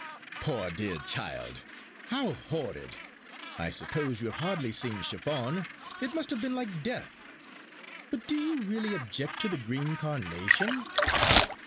"Poor dear child. How horrid. I suppose you have hardly seen chiffon. It must have been like death. But do you really object to the green carnation?"